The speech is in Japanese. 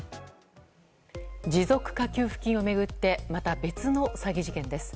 持続化給付金を巡ってまた別の詐欺事件です。